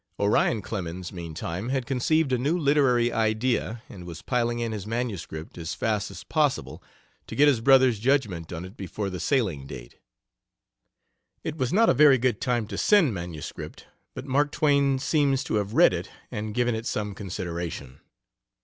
Orion Clemens, meantime, had conceived a new literary idea and was piling in his MS. as fast as possible to get his brother's judgment on it before the sailing date. It was not a very good time to send MS., but Mark Twain seems to have read it and given it some consideration.